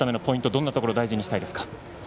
どんなところを大事にしたいですか。